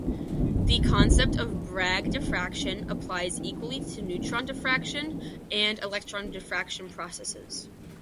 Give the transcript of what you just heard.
The concept of Bragg diffraction applies equally to neutron diffraction and electron diffraction processes.